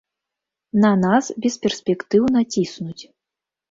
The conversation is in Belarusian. На нас бесперспектыўна ціснуць.